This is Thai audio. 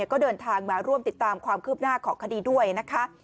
ก็เดินทางมาร่วมติดตามความคืบหน้าของคดีด้วยนะคะ